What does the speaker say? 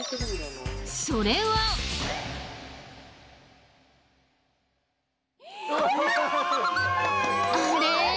それは。あれ？